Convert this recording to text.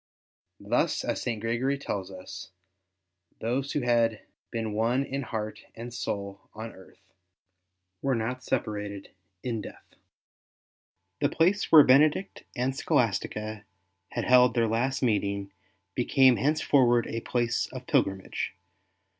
Thus, as St. Gregory tells us, those who had been one in heart and soul on earth were not separated in death. The place where Benedict and Scholastica had held their last meeting became hence ST. BENEDICT 107 forward a place of pilgrimage.